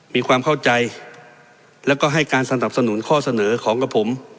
มีความเข้าใจแล้วก็ให้การสนับสนุนข้อเสนอของกับผม